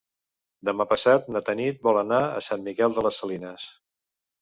Demà passat na Tanit vol anar a Sant Miquel de les Salines.